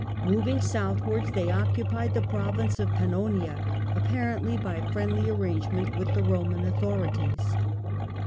Moving southwards, they occupied the pro vince of Pannonia, apparently by friendly arrangement with the Eoman authorities.